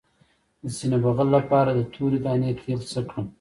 د سینې بغل لپاره د تورې دانې تېل څه کړم؟